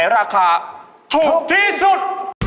ราคาถูกที่สุด